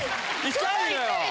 痛いのよ。